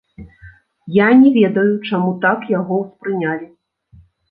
Я не ведаю, чаму так яго ўспрынялі.